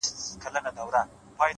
ښاا ځې نو”